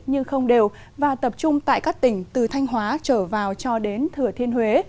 nhưng không đều và tập trung tại các tỉnh từ thanh hóa trở vào cho đến thừa thiên huế